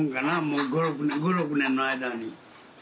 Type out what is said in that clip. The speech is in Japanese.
もう５６年の間に。